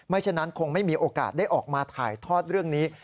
ฉะนั้นคงไม่มีโอกาสได้ออกมาถ่ายทอดเรื่องนี้